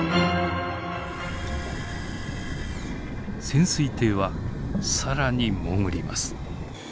潜水艇は更に潜ります。